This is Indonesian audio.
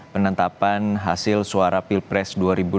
penetapan hasil suara pilpres dua ribu dua puluh